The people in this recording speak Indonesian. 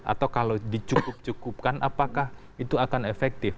atau kalau dicukup cukupkan apakah itu akan efektif